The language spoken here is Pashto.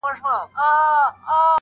خیال دي.